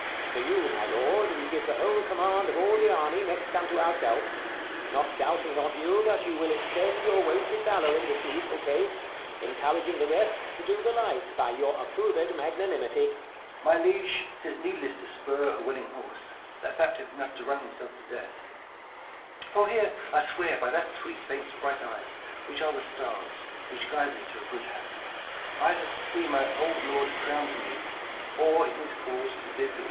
To you, my lord, we give the whole command Of all the army, next unto ourself; 15 Not doubting of you, but you will extend Your wonted valour in this needful case, Encouraging the rest to do the like, By your approved magnanimity. Mum. My liege, 'tis needless to spur a willing horse, 20 That's apt enough to run himself to death ; For here I swear by that sweet saint's bright eyes, Which are the stars, which guide me to good hap, Either to see my old lord crown'd anew, Or in his cause to bid the world adieu.